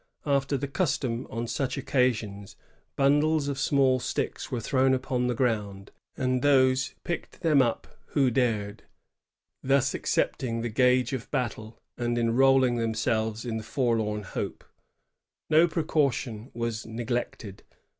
After the custom on such occasions^ bundles of small sticks were thrown upon the ground, and those picked them up who dared, thus accepting the gage of battle, and enrolling themselves in the forlorn hope. No precaution was neglected.